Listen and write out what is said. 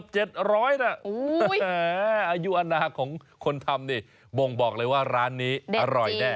อายุอนาคของคนทำนี่บ่งบอกเลยว่าร้านนี้อร่อยแน่